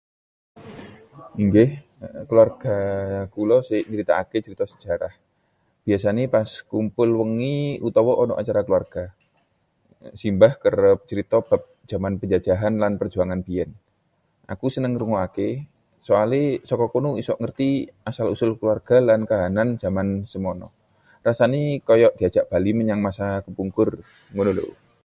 Inggih, kulawarga kula sok nyritakake crita sejarah, biasane pas kumpul wengi utawa ana acara keluarga. Simbah kerep crita bab jaman penjajahan lan perjuangan biyen. Aku seneng ngrungokake, soale saka kono iso ngerti asal-usul keluarga lan kahanan jaman semana. Rasane kaya diajak bali menyang masa kepungkur, ngono lho.